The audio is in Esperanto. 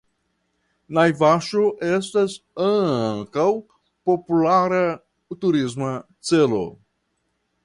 Najvaŝo estas ankaŭ populara turisma celo.